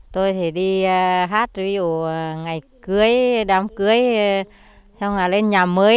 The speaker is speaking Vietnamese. tôi thì đi hát ví dụ ngày cưới đám cưới xong rồi lên nhà mới